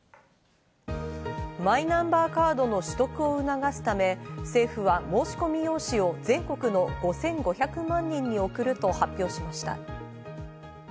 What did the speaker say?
マイナンバーカードの取得を促すため、政府は申込用紙を全国の５５００万人に送ると発表しました。